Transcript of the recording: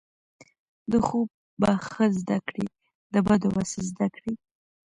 د ښو به ښه زده کړی، د بدو به څه زده کړی